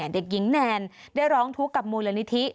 เด็กหญิงแนนได้ร้องทุกข์กับมูลนิธิ